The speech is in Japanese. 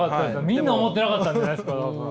みんな思ってなかったんじゃないですか多分。